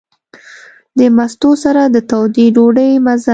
د مستو سره د تودې ډوډۍ مزه.